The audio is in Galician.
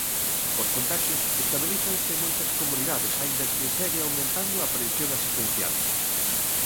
Os contaxios estabilízanse en moitas comunidades, aínda que segue aumentando a presión asistencial.